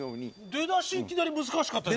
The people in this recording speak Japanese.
出だしいきなり難しかったです。